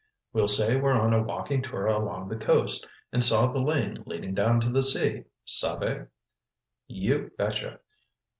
We'll say we're on a walking tour along the coast, and saw the lane leading down to the sea—savez?" "You betcha!